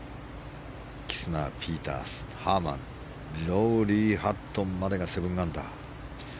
キスナー、ピータース、ハーマンロウリー、ハットンまでが７アンダー。